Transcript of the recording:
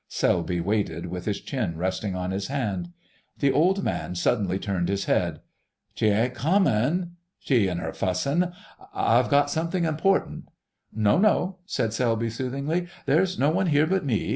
Selby waited with his chin resting in his hand. The old man suddenly turned his head: "She ain't comin'——? She an' her fussin'...? I've got something important——" "No, no," said Selby soothingly, "there's no one here but me.